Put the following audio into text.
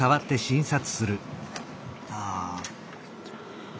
ああ。